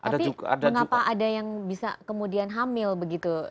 tapi mengapa ada yang bisa kemudian hamil begitu